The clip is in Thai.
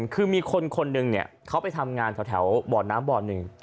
คือมีคนคนหนึ่งเขาไปทำงานแถวบ่อน้ำบ่อหนึ่ง